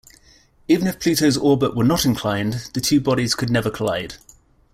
Even if Pluto's orbit were not inclined, the two bodies could never collide.